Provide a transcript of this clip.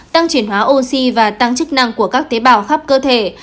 tăng chuyển hóa oxy và tăng chức năng của các tế bào khắp cơ thể